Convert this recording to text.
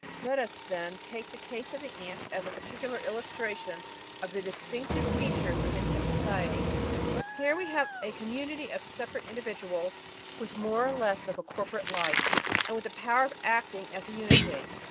Let us, then, take the case of ants as a par ticular illustration of the distinctive features of insect societies. Here we have "a community of separate individuals with more or less of a corporate life, and with the power of acting as a unity."